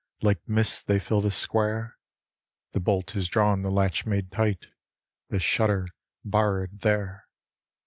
Like mist they fill the square ; The bolt is drawn, the latch made tight, The shutter barred there.